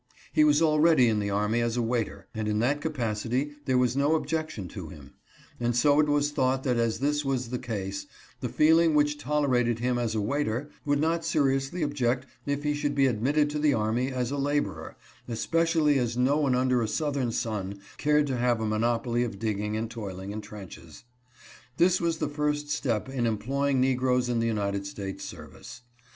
He was already in the army as a waiter, and in that capacity there was no objection to him ; and so it was thought that as this was the case, the feeling which tolerated him as a waiter would not seriously object if he should be admitted to the army as a laborer, especially as no one under a southern sun cared to have a monopoly of digging and toiling in trenches. This was the first step in employing negroes in the United States service.